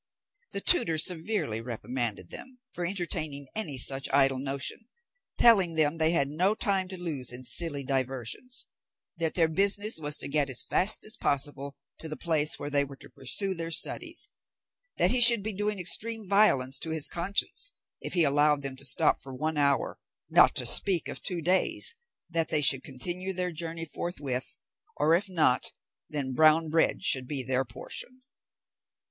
The tutor severely reprimanded them for entertaining any such idle notion, telling them they had no time to lose in silly diversions; that their business was to get as fast as possible to the place where they were to pursue their studies; that he should be doing extreme violence to his conscience if he allowed them to stop for one hour, not to speak of two days; that they should continue their journey forthwith, or, if not, then brown bread should be their portion.